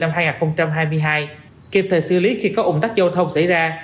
năm hai nghìn hai mươi hai kịp thời xử lý khi có ủng tắc giao thông xảy ra